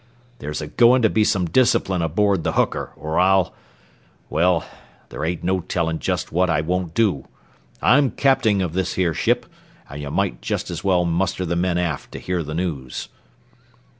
There's a goin' to be some discipline aboard the hooker, or I'll well, there ain't no tellin' just what I won't do. I'm capting o' this here ship, an' ye might jest as well muster the men aft to hear the news."